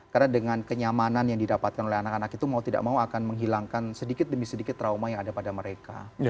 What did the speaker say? karena dengan kenyamanan yang didapatkan oleh anak anak itu mau tidak mau akan menghilangkan sedikit demi sedikit trauma yang ada pada mereka